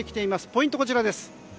ポイント、こちらです。